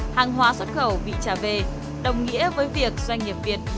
hàng hóa xuất khẩu bị trả về đồng nghĩa với việc doanh nghiệp việt